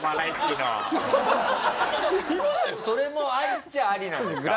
それもありっちゃありなんですか？